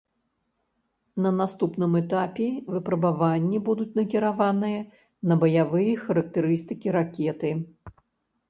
На наступным этапе выпрабаванні будуць накіраваныя на баявыя характарыстыкі ракеты.